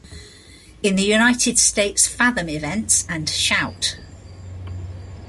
In the United States Fathom Events and Shout!